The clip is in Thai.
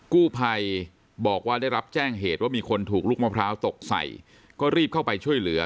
กู้ภัยบอกว่าได้รับแจ้งเหตุว่ามีคนถูกลูกมะพร้าวตกใส่ก็รีบเข้าไปช่วยเหลือ